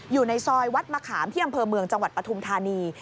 อยู่ในซอยวัดมะขามที่อำเภอเมืองจังหวัดปฐุมธานี